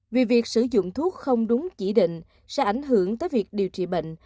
vì việc sử dụng thuốc không đúng chỉ định sẽ ảnh hưởng tới việc điều trị bệnh